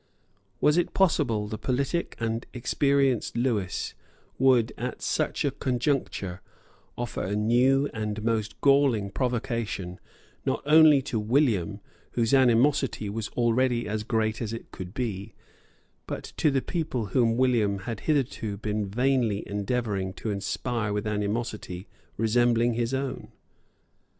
Was it possible the politic and experienced Lewis would at such a conjuncture offer a new and most galling provocation, not only to William, whose animosity was already as great as it could be, but to the people whom William had hitherto been vainly endeavouring to inspire with animosity resembling his own?